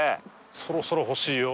そろそろ欲しいよ。